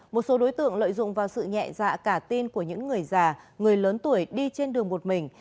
một số đối tượng lợi dụng vào sự nhẹ dạ cả tin của những người già người lớn tuổi đi trên đường một mình